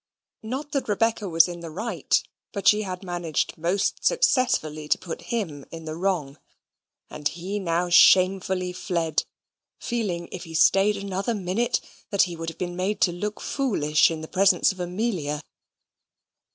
Not that Rebecca was in the right; but she had managed most successfully to put him in the wrong. And he now shamefully fled, feeling, if he stayed another minute, that he would have been made to look foolish in the presence of Amelia.